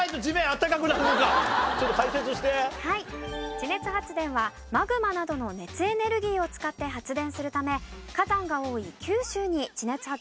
地熱発電はマグマなどの熱エネルギーを使って発電するため火山が多い九州に地熱発電所が多いそうです。